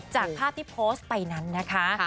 จากภาพที่โพสต์ไปนั้นนะคะ